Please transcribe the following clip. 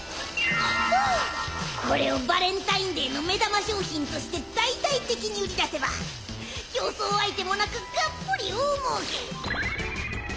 これをバレンタインデーの目玉商品として大々的に売り出せば競争相手もなくがっぽり大もうけ！